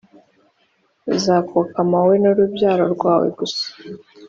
izakokama wowe n’urubyaro rwawe, gusa